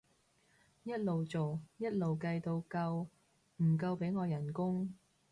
一路做一路計到夠唔夠俾我人工